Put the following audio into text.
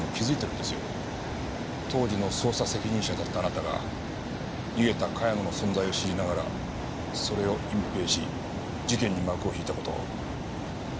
当時の捜査責任者だったあなたが逃げた茅野の存在を知りながらそれを隠ぺいし事件に幕を引いた事を。